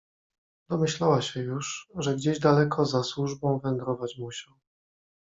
"Domyślała się już, że gdzieś daleko za służbą wędrować musiał."